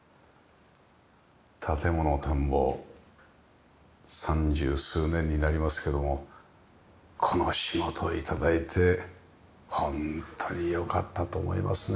『建もの探訪』三十数年になりますけどもこの仕事を頂いて本当によかったと思いますね。